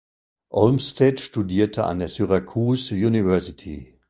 Olmstead studierte an der Syracuse University.